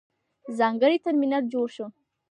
ځانګړی ترمینل جوړ شوی.